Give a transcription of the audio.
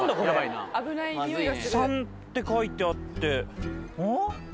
「３」って書いてあってうん？